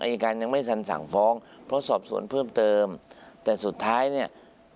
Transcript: อายการยังไม่ทันสั่งฟ้องเพราะสอบสวนเพิ่มเติมแต่สุดท้ายเนี่ย